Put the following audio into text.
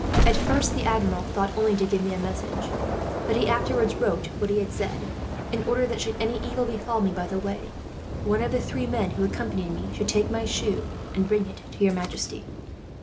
At first the Admiral thought only to give me a message; but he afterwards wrote what he had said, in order that, should any evil befall me by the way, one of the three men who accompanied me should take my shoe and bring it to your majesty."